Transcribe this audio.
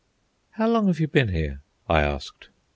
"How long have you been here?" I asked.